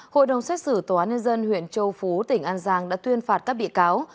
hội đồng xét xử tòa án nhân dân huyện châu phú tỉnh an giang đã tuyên phạt các bị cáo